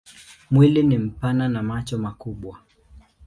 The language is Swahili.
Mwili ni mpana na macho makubwa.